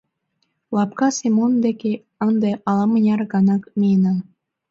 Лапка Семон деке ынде ала-мыняр гана миенам.